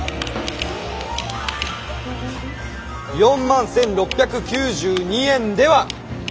４万１，６９２円では？